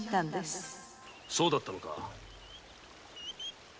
そうだったのか。